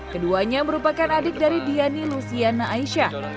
keduanya merupakan adik dari diani lusiana aisyah